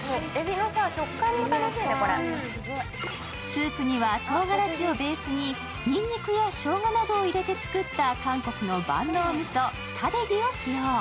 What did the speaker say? スープには唐辛子をベースににんにくやしょうがなどを入れて作った韓国の万能みそ、タデギを使用。